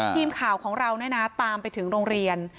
ทีมข่าวของเราตามไปถึงโรงเรียน